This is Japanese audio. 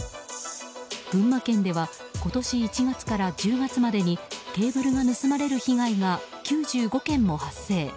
群馬県では今年１月から１０月までにケーブルが盗まれる被害が９５件も発生。